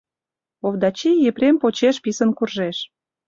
Овдачи Епрем почеш писын куржеш.